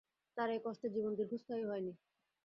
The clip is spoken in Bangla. তাঁর এই কষ্টের জীবন দীর্ঘস্থায়ী হয় নি।